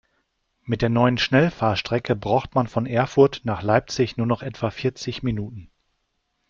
Mit der neuen Schnellfahrstrecke braucht man von Erfurt nach Leipzig nur noch etwa vierzig Minuten